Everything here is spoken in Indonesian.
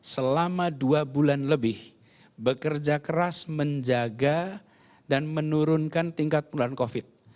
selama dua bulan lebih bekerja keras menjaga dan menurunkan tingkat penularan covid